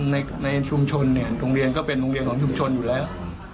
ในชุมชนเนี่ยโรงเรียนก็เป็นโรงเรียนของชุมชนอยู่แล้ว